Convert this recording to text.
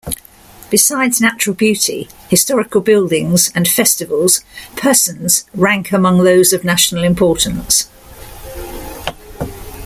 Besides natural beauty, historical buildings and festivals persons rank among those of national importance.